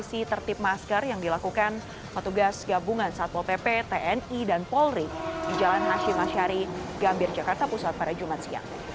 lansia yang dilakukan adalah lansia yang dilakukan oleh petugas gabungan satpol pp tni dan polri di jalan hashim asyari gambir jakarta pusat pada jumat siang